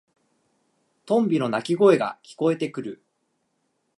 トンビの鳴き声が聞こえてくる。